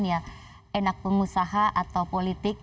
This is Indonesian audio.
ya enak pengusaha atau politik